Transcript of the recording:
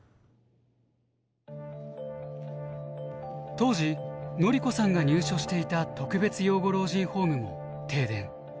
当時典子さんが入所していた特別養護老人ホームも停電。